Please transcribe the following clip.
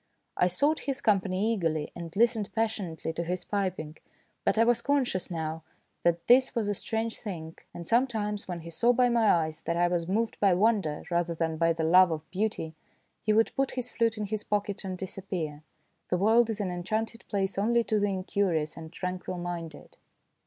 I sought his company eagerly and listened passionately to his piping, but I was conscious now that this was a strange thing, and sometimes when he THE DAY BEFORE YESTERDAY 193 saw by my eyes that I was moved by wonder rather than by the love of beauty, he would put his flute in his pocket and disappear. The world is an enchanted place only to the incurious and tranquil minded.